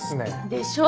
でしょ？